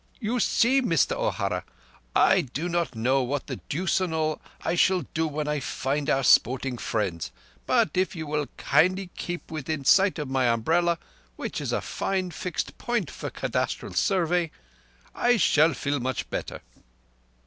"You see, Mister O'Hara, I do not know what the deuce an' all I shall do when I find our sporting friends; but if you will kindly keep within sight of my umbrella, which is fine fixed point for cadastral survey, I shall feel much better."